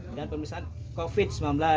dan pemerintahan covid sembilan belas